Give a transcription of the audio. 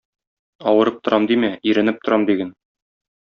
Авырып торам димә, иренеп торам диген.